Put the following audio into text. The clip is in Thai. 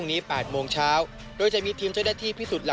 จอบประเด็นจากรายงานของคุณศักดิ์สิทธิ์บุญรัฐครับ